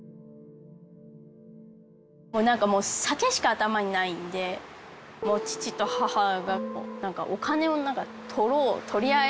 もう何かもう酒しか頭にないんで父と母が何かお金を取ろう取り合いになってて。